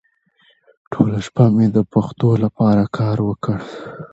ټوله شپه مې د پښتو لپاره کار وکړ.